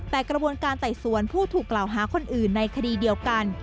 แต่กระบวนการไต่สวนผู้ถูกกล่าวหาคนอื่นในคดีเดียวกัน